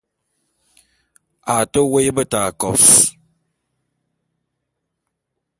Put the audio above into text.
A te woé beta kôs.